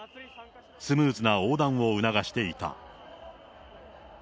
スムーズな横断を促していた。